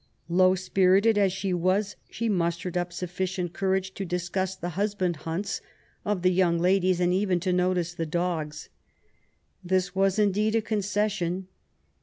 Low spirited as she was, she mustered up sufficient courage to discuss the husband hunts of the young ladies and even to notice the dogs. This was^ indeed> a concession.